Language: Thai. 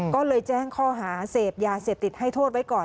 ก็เลยแจ้งข้อหาเสพยาเสพติดให้โทษไว้ก่อน